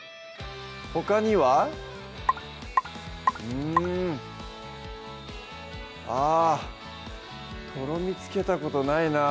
ほかにはうんあぁとろみつけたことないなぁ